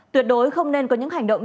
tuyệt đối không nên có những hành động